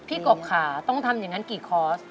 กบค่ะต้องทำอย่างนั้นกี่คอร์ส